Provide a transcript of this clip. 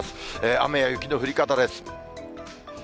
雨や雪の降り方です。